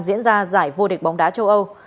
diễn ra giải vô địch bóng đá châu âu